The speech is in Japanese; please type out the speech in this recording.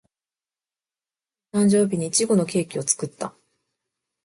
母の誕生日にいちごのケーキを作った